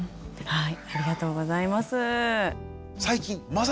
はい。